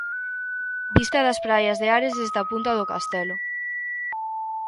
Vista das praias de Ares desde a punta do Castelo.